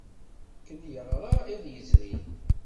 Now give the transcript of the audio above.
Ken yeɣra iḍ yezrin.